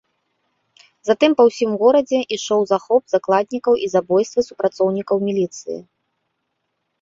Затым па ўсім горадзе ішоў захоп закладнікаў і забойствы супрацоўнікаў міліцыі.